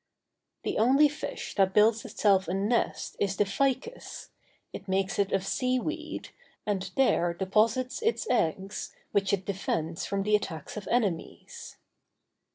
_] The only fish that builds itself a nest is the phycis: it makes it of sea weed, and there deposits its eggs, which it defends from the attacks of enemies.